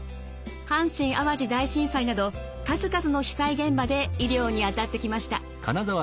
阪神淡路大震災など数々の被災現場で医療に当たってきました。